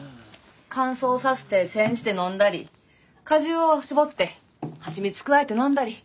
乾燥させて煎じて飲んだり果汁を搾って蜂蜜加えて飲んだり。